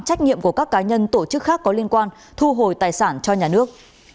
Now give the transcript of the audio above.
trách nhiệm của các cá nhân tổ chức khác có liên quan thu hồi tài sản cho nhà nước